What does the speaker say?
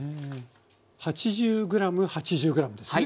８０ｇ８０ｇですね？